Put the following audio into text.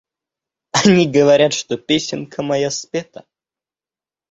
Они говорят, что песенка моя спета.